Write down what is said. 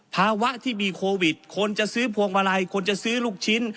ภาวะที่มีโควิดคนจะซื้อพวงมาลัยคนจะซื้อลูกชิ้น